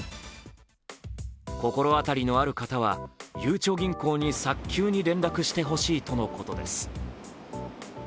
心当たりのある方は、ゆうちょ銀行に早急に連絡してほしいとのことです。